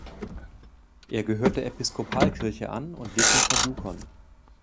Er gehört der Episkopalkirche an und lebt in Fort Yukon.